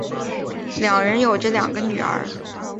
两人有着两个女儿。